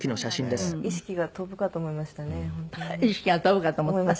私も意識が飛ぶかと思いました。